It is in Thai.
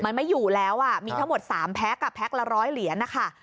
มันไม่อยู่แล้วมีทั้งหมด๓แพ็คแพ็คละ๑๐๐เหรียญนะคะ